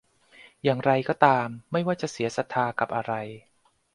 อย่างไรก็ตาม ไม่ว่าจะเสียศรัทธากับอะไร